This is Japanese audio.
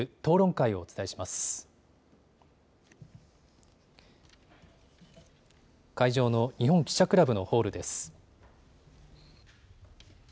会場の日本記者クラブのホールです。